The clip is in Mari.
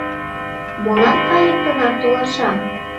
Молан кайык тынар толаша?